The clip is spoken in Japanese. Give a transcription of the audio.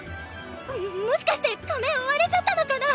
もしかして仮面割れちゃったのかな？